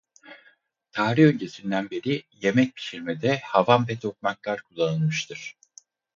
Tarih öncesinden beri yemek pişirmede havan ve tokmaklar kullanılmıştır.